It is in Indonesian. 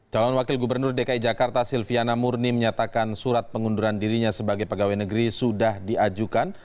calon wakil gubernur dki jakarta silviana murni menyatakan surat pengunduran dirinya sebagai pegawai negeri sudah diajukan